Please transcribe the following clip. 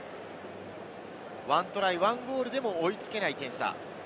１トライ１ゴールでも追いつけない点差。